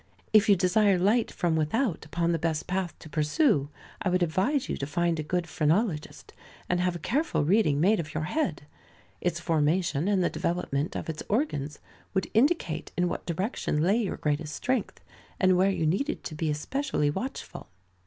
If you desire light from without upon the best path to pursue, I would advise you to find a good phrenologist, and have a careful reading made of your head. Its formation and the development of its organs would indicate in what direction lay your greatest strength, and where you needed to be especially watchful.